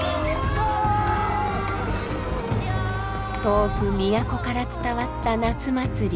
遠く都から伝わった夏祭り。